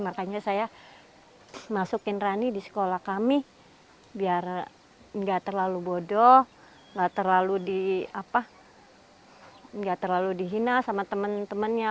makanya saya masukin rani di sekolah kami biar nggak terlalu bodoh nggak terlalu dihina sama temen temennya